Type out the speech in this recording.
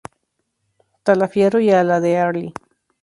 Taliaferro y a la de Early.